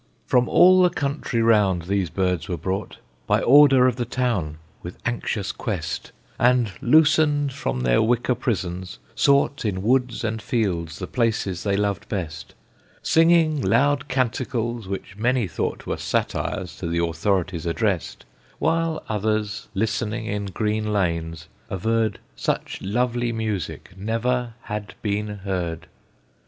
From all the country round these birds were brought, By order of the town, with anxious quest, And, loosened from their wicker prisons, sought In woods and fields the places they loved best, Singing loud canticles, which many thought Were satires to the authorities addressed, While others, listening in green lanes, averred Such lovely music never had been heard!